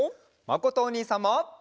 まことおにいさんも！